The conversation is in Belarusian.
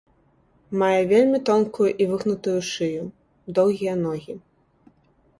Мае вельмі тонкую і выгнутую шыю, доўгія ногі.